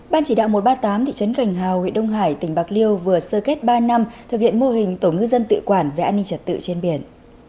ban chỉ đạo một trăm ba mươi tám thị trấn cành hào huyện đông hải tỉnh bạc liêu vừa sơ kết ba năm thực hiện mô hình tổ ngư dân tự quản về an ninh trật tự trên biển